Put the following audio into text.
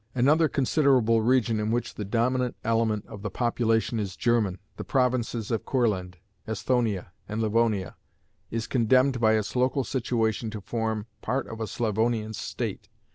Another considerable region in which the dominant element of the population is German, the provinces of Courland, Esthonia, and Livonia, is condemned by its local situation to form part of a Slavonian state.